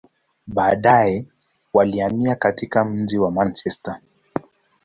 Baadaye, walihamia katika mji wa Manchester.